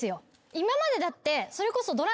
今までだってそれこそ。